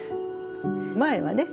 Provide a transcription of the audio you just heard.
前はね